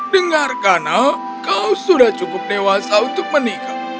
dengar kana kau sudah cukup dewasa untuk menikah